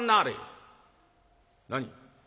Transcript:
「何？